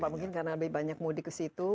pak mungkin karena lebih banyak mudik ke situ